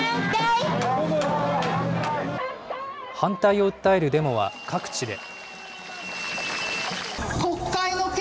反対を訴えるデモは各地で。